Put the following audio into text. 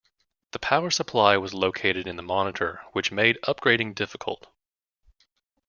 The power supply was located in the monitor, which made upgrading difficult.